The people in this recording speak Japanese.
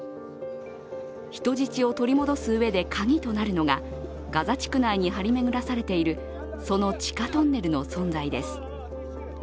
人質を取り戻すうえでカギとなるのがガザ地区内に張り巡らされているその地下トンネルの存在です。